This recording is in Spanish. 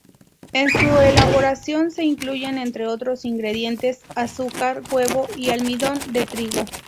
En su elaboración se incluyen entre otros ingredientes azúcar, huevo y almidón de trigo.